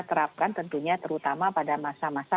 terapkan tentunya terutama pada masa masa